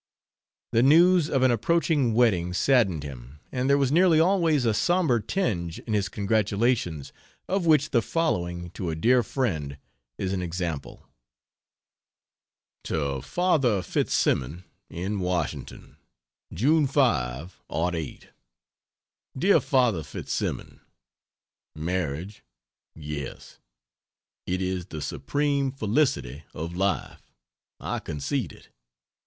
The news of an approaching wedding saddened him and there was nearly always a somber tinge in his congratulations, of which the following to a dear friend is an example: To Father Fitz Simon, in Washington: June 5, '08. DEAR FATHER FITZ SIMON, Marriage yes, it is the supreme felicity of life, I concede it.